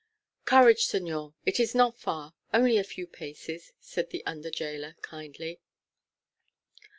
"Courage, señor; it is not far only a few paces," said the under gaoler, kindly.